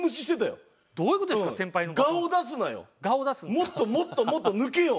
もっともっともっと抜けよ。